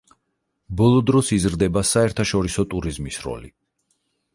ბოლო დროს იზრდება საერთაშორისო ტურიზმის როლი.